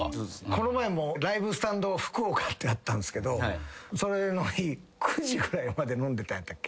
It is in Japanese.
この前もＬＩＶＥＳＴＡＮＤＦＵＫＵＯＫＡってあったんすけどそれの日９時ぐらいまで飲んでたんやったっけ？